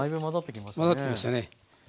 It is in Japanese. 混ざってきましたね。